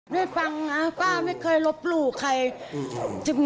ได้ฟังนะป้าไม่เคยลบหลู่ใคร